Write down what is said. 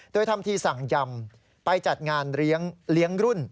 โดยทำทีสั่งยำไปจัดงานเลี้ยงรุ่น